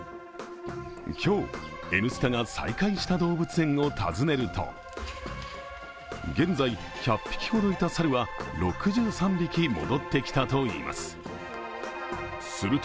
今日、「Ｎスタ」が再開した動物園を訪ねると現在、１００匹ほどいた猿は６３匹戻ってきたといいます。